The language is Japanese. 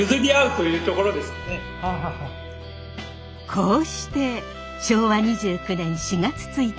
こうして昭和２９年４月１日。